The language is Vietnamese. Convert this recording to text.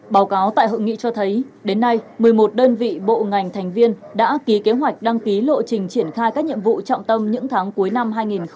báo cáo tại hội nghị cho thấy đến nay một mươi một đơn vị bộ ngành thành viên đã ký kế hoạch đăng ký lộ trình triển khai các nhiệm vụ trọng tâm những tháng cuối năm hai nghìn hai mươi